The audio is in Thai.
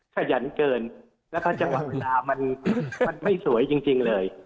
ขยันเกินแล้วก็จังหวะเวลามันไม่สวยจริงเลย